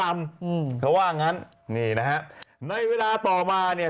อืมเขาว่างั้นนี่นะฮะในเวลาต่อมาเนี่ย